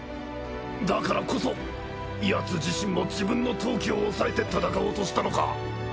だからこそヤツ自身も自分の闘気を抑えて戦おうとしたのか